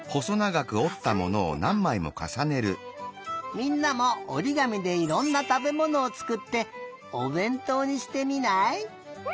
みんなもおりがみでいろんなたべものをつくっておべんとうにしてみない？